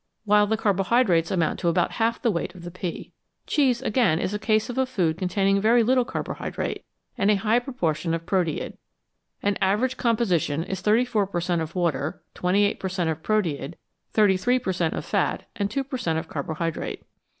while the carbohydrates amount to about half the weight of the pea. Cheese, again, is a case of a food containing very little carbo hydrate and a high proportion of proteid ; an average composition is 34 per cent, of water, 28 per cent, of proteid, 33 per cent, of fat, and 2 per cent, of carbo hydrate.